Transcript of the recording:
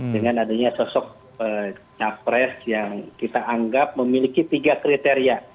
dengan adanya sosok capres yang kita anggap memiliki tiga kriteria